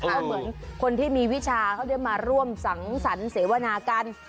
ก็เหมือนคนที่มีวิชาเขาได้มาร่วมสังสรรค์เสวนากัน